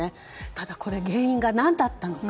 ただ、これの原因が何だったのか。